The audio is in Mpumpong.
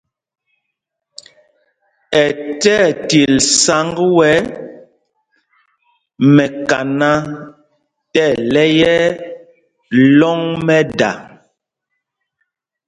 Ɛ ti ɛtil sǎŋg wɛ̄ mɛkana tí ɛlɛ̄y ɛ lɔ̂ŋ mɛ́da.